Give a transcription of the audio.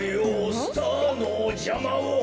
スターのじゃまを」